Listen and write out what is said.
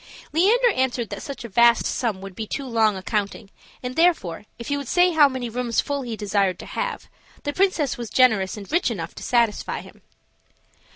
Leander answered that such a vast sum would be too long a counting, and therefore, if he would say how many rooms full he desired to have, the princess was generous and rich enough to satisfy him.